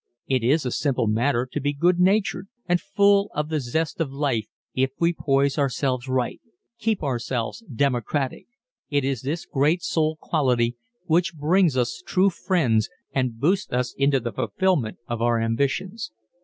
It is a simple matter to be good natured and full of the zest of life if we poise ourselves right keep ourselves democratic. It is this great soul quality which brings us true friends and boosts us into the fulfillment of our ambitions.